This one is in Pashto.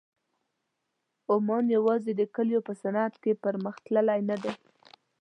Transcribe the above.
عمان یوازې د کالیو په صنعت کې پرمخ تللی نه دی.